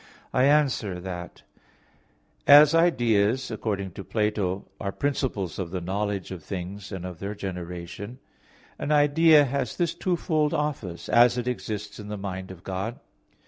I answer that, As ideas, according to Plato, are principles of the knowledge of things and of their generation, an idea has this twofold office, as it exists in the mind of God.